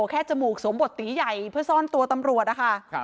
แค่จมูกสมบทตีใหญ่เพื่อซ่อนตัวตำรวจ